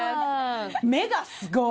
目がすごい！